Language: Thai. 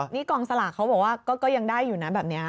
นี่กองสลากเขาบอกว่าก็ยังได้อยู่นะแบบนี้